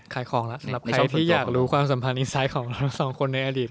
ใครที่อยากรู้ความสัมพันธ์อินไซน์ของเราสองคนในอดีต